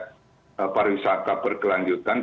triplikan hadir pc